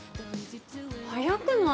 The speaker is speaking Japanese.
早くない？